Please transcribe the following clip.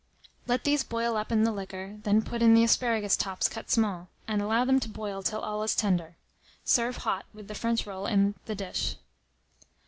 Let these boil up in the liquor, then put in the asparagus tops cut small, and allow them to boil till all is tender. Serve hot, with the French roll in the dish.